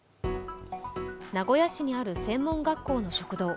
名古屋市にある専門学校の食堂。